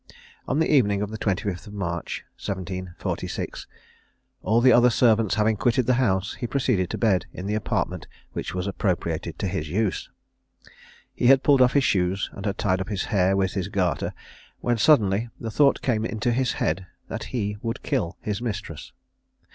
On the evening of the 25th March 1746, all the other servants having quitted the house, he proceeded to bed in the apartment which was appropriated to his use. He had pulled off his shoes, and had tied up his hair with his garter, when suddenly the thought came into his head that he would kill his mistress.